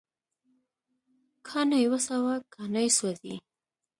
کاڼي وسوه، کاڼي سوزی